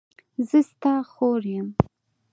زه ستا خور یم.